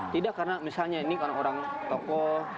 tidak karena misalnya ini karena orang tokoh